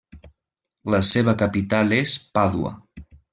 La seva capital és Pàdua.